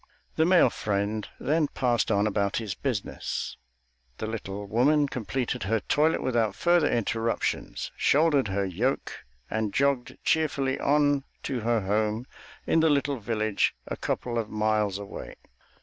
The male friend then passed on about his business; the little woman completed her toilet without further interruptions, shouldered her yoke, and jogged cheerfully on to her home in the little village, a couple of miles away.